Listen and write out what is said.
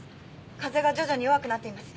風が徐々に弱くなっています。